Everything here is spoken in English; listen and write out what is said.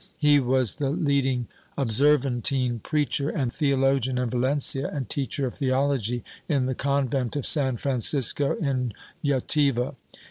He was the leading Observantine preacher and theologian in Valencia and teacher of theology in the convent of San Francisco in Jativa.